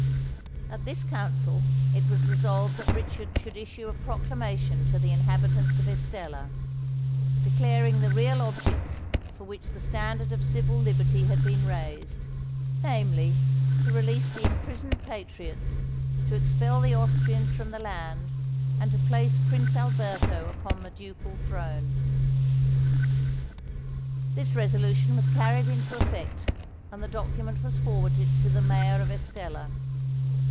At this council it was resolved that Richard should issue a proclamation to the inhabitants of Estella, declaring the real objects for which the standard of civil liberty had been raised—namely, to release the imprisoned patriots, to expel the Austrians from the land, and to place Prince Alberto upon the ducal throne. This resolution was carried into effect; and the document was forwarded to the Mayor of Estella.